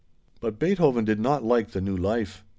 But Beethoven did not like the new life.